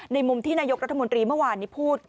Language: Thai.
ในมุมที่นายกราธมุรัฐมนตรีเมื่อวานพูด